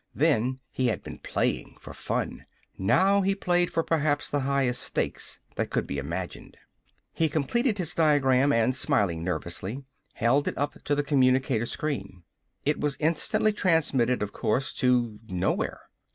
Then he had been playing for fun. Now he played for perhaps the highest stakes that could be imagined. He completed his diagram and, smiling nervously, held it up to the communicator screen. It was instantly transmitted, of course. To nowhere.